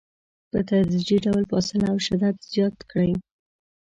په تدریجي ډول فاصله او شدت زیات کړئ.